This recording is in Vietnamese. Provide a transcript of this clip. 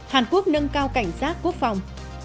hàn quốc nâng cao cảnh giác quốc phòng